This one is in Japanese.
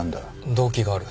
動機がある。